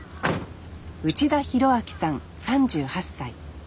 内田博陽さん３８歳。